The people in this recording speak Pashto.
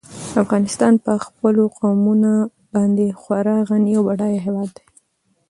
افغانستان په خپلو قومونه باندې خورا غني او بډای هېواد دی.